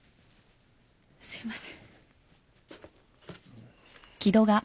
すいません。